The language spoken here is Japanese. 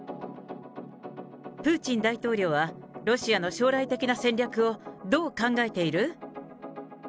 プーチン大統領はロシアの将来的な戦略をどう考えている？